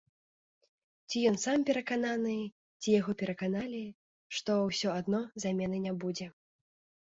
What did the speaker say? Ці ён сам перакананы, ці яго пераканалі, што ўсё адно замены не будзе.